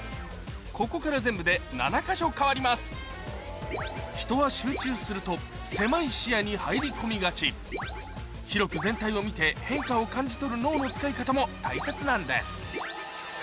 ここから全部で７か所変わります人は集中すると狭い視野に入り込みがち広く全体を見て変化を感じ取る脳の使い方も大切なんです